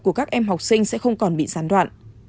của các em học sinh sẽ không còn bị gián đoạn